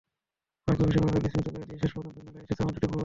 আমাকে ভীষণভাবে বিস্মিত করে দিয়ে শেষ পর্যন্ত মেলায় এসেছে আমার দুটি বই।